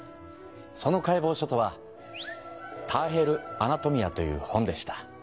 その解剖書とは「ターヘル・アナトミア」という本でした。